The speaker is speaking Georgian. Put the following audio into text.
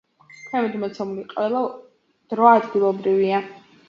ქვემოთ მოცემული ყველა დრო ადგილობრივია.